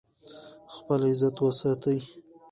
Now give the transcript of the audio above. خپل عزت وساتئ.